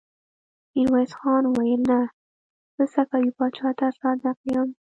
ميرويس خان وويل: نه! زه صفوي پاچا ته صادق يم.